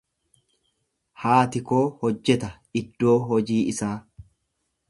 Haati koo hojjeta iddoo hojii isaa.